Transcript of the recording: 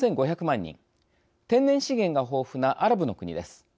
天然資源が豊富なアラブの国です。